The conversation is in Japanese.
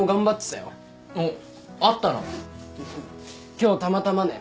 今日たまたまね。